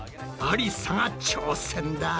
ありさが挑戦だ！